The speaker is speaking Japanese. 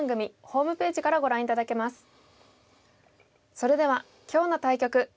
それでは今日の対局